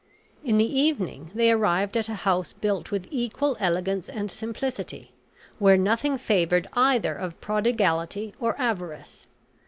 In the evening they arrived at a house built with equal elegance and simplicity, where nothing favored either of prodigality or avarice.